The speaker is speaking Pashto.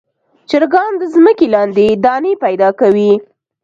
چرګان د ځمکې لاندې دانې پیدا کوي.